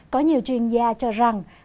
có nhiều chuyên gia cho rằng